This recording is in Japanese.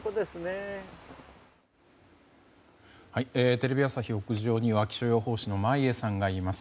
テレビ朝日屋上には気象予報士の眞家さんがいます。